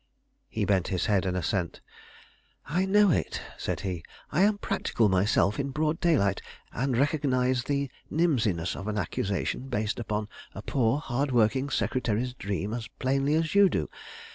He bent his head in assent. "I know it," said he. "I am practical myself in broad daylight, and recognize the flimsiness of an accusation based upon a poor, hardworking secretary's dream, as plainly as you do.